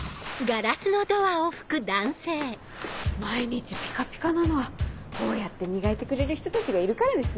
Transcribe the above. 毎日ピカピカなのはこうやって磨いてくれる人たちがいるからですね。